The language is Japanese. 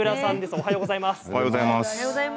おはようございます。